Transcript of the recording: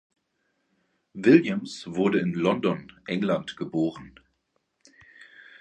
Williams wurde in London, England, geboren.